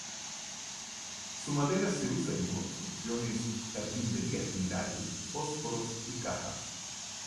Su madera se usa en construcciones, carpintería general, fósforos y cajas.